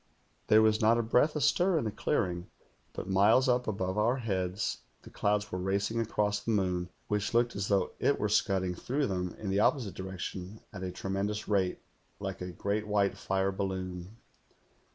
There was not a breath astir in the clearing, but miles up above our heads the clouds were racing across the moon, which looked as though it were scudding through them in the opposite direction at a tremen dous rate, like a great white fire balloon.